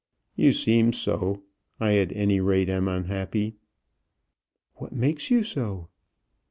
"You seem so. I at any rate am unhappy." "What makes you so?"